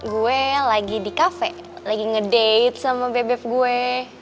gue lagi di kafe lagi ngedate sama bebe gue